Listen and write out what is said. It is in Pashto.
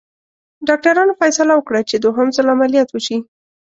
ډاکټرانو فیصله وکړه چې دوهم ځل عملیات وشي.